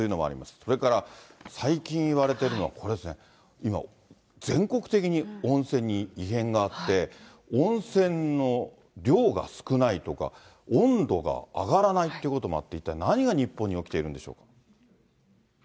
それから最近いわれてるのはこれですね、今、全国的に温泉に異変があって、温泉の量が少ないとか、温度が上がらないってこともあって、一体何が日本に起きているんでしょうか。